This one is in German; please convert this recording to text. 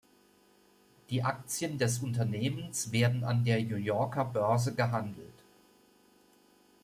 Die Aktien des Unternehmens werden an der New Yorker Börse gehandelt.